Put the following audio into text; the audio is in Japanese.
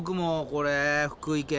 これ福井県。